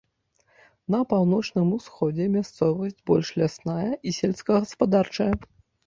На паўночным усходзе мясцовасць больш лясная і сельскагаспадарчая.